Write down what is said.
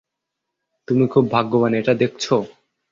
তুমি খুব ভাগ্যবান, এটা দেখছো?